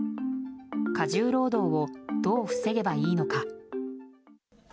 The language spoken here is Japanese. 過重労働をどう防げばいいのか。